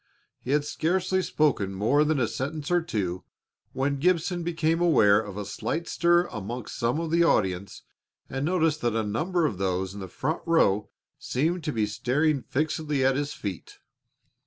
He had scarcely spoken more than a sentence or two when Gibson became aware of a slight stir among some of the audience and noticed that a number of those in the front row seemed to be staring fixedly at his feet.